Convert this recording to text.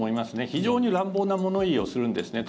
非常に乱暴な物言いをするんですね。